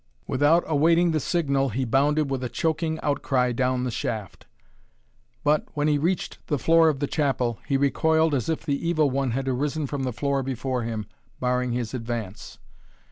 Without awaiting the signal he bounded with a choking outcry down the shaft. But, when he reached the floor of the chapel, he recoiled as if the Evil One had arisen from the floor before him, barring his advance.